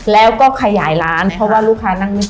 แล้วก็ขยายร้านถ้าว่ารู้ค้านั่งไม่พอ